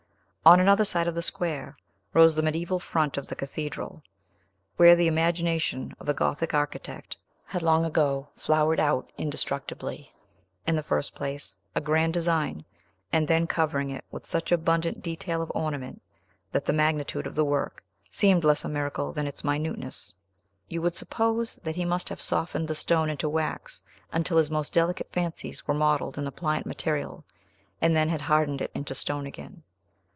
On another side of the square rose the mediaeval front of the cathedral, where the imagination of a Gothic architect had long ago flowered out indestructibly, in the first place, a grand design, and then covering it with such abundant detail of ornament, that the magnitude of the work seemed less a miracle than its minuteness. You would suppose that he must have softened the stone into wax, until his most delicate fancies were modelled in the pliant material, and then had hardened it into stone again.